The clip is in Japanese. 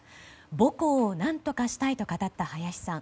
母校を何とかしたいと語った林さん。